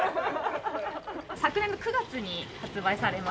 昨年の９月に発売されまして。